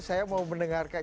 saya mau mendengarkan